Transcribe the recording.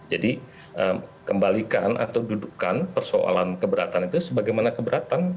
jadi kembalikan atau dudukkan persoalan keberatan itu sebagaimana keberatan